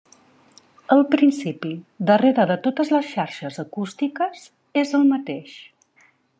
El principi darrere de totes les xarxes acústiques és el mateix.